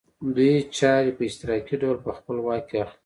دوی چارې په اشتراکي ډول په خپل واک کې اخلي